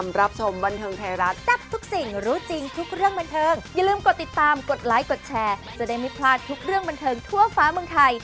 มันเทิงทั่วฟ้าเมืองไทย